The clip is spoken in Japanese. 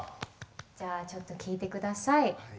じゃあちょっと聴いてください。